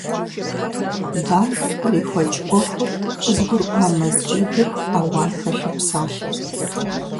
Бажэм кърихуэкӀ Ӏуэхур къызыгурыӀуа Мэз джэдыр ауэн хэлъу псалъэрт.